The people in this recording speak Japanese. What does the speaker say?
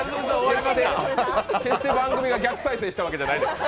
決して番組が逆再生したわけではないです。